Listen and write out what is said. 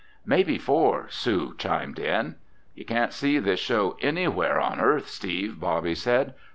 "Maybe four!" Sue chimed in. "You can't see this show anywhere on Earth, Steve," Bobby said.